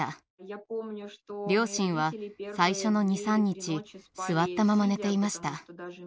両親は最初の２３日座ったまま寝ていました。